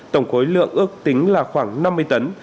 tổng khối lượng ước tính là khoảng năm mươi tấn